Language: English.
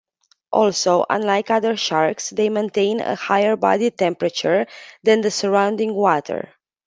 Also, unlike other sharks, they maintain a higher body temperature than the surrounding water.